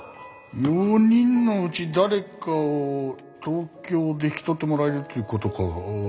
４人のうち誰かを東京で引き取ってもらえるっちゅうことか。